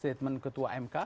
statement ketua amk